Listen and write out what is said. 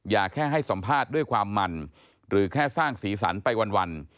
อย่าแค่ให้สัมภาษณ์ด้วยความมันหรือแค่สร้างสีสันไปวัน